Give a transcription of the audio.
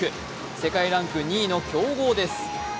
世界ランク２位の強豪です。